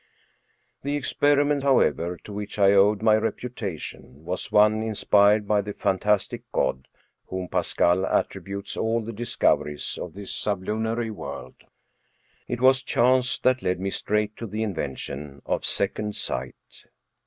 The experiment, however, to which I owed my reputa tion was one inspired by that fantastic god to whom Pas cal attributes all the discoveries of this sublunary world: it was chance that led me straight to the invention of second sight.